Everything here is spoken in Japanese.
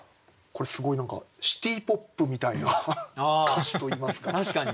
これすごい何かシティ・ポップみたいな歌詞といいますか。